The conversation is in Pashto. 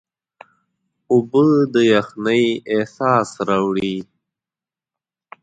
اوبه د یخنۍ احساس راوړي.